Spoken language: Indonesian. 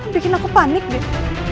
bikin aku panik ben